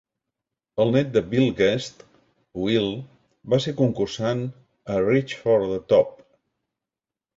El net de Bill Guest, Will, va ser concursant a "Reach for the Top".